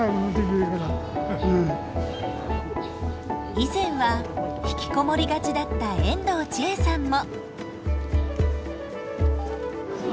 以前は引きこもりがちだった遠藤チエさんも。